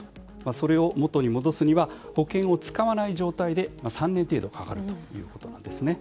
それを元に戻すには保険を使わない状態で３年程度かかるということです。